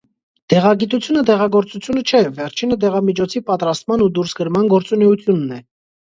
Դեղագիտությունը դեղագործությունը չէ, վերջինը դեղամիջոցի պատրաստման ու դուրսգրման գործունեությունն է։